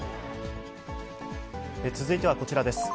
続いてはこちらです。